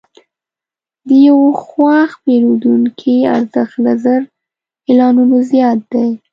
د یو خوښ پیرودونکي ارزښت له زر اعلانونو زیات دی.